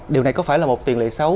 điều này có phải là một tiền lệ xấu